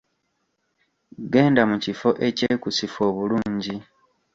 Genda mu kifo ekyekusifu obulungi.